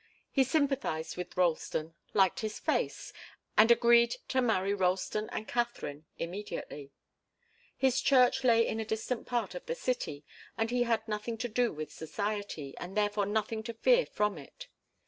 He sympathized with Ralston, liked his face, and agreed to marry Ralston and Katharine immediately. His church lay in a distant part of the city, and he had nothing to do with society, and therefore nothing to fear from it.